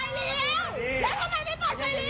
แล้วทำไมไม่เปิดไฟเลี้ยว